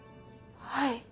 はい。